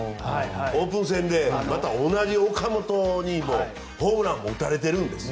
オープン戦で同じ岡本にホームランも打たれてるんです。